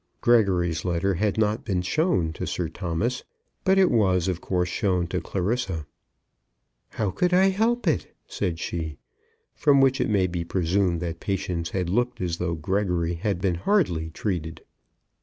Gregory's letter had not been shown to Sir Thomas, but it was, of course, shown to Clarissa. "How could I help it?" said she. From which it may be presumed that Patience had looked as though Gregory had been hardly treated.